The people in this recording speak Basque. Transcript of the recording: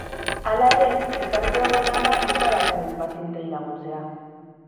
Hala ere, elkarte hauen lana ez da bakarrik pazienteei laguntzea.